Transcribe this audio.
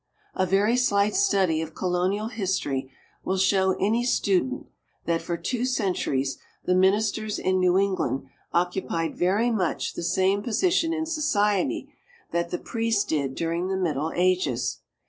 A very slight study of Colonial history will show any student that, for two centuries, the ministers in New England occupied very much the same position in society that the priest did during the Middle Ages.